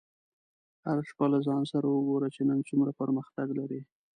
هره شپه له ځان سره وګوره چې نن څومره پرمختګ لرې.